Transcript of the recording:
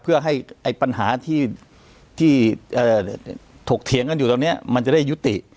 เพื่อให้ปัญหาที่ถกเถียงกันอยู่ตรงนี้มันจะได้ยุติ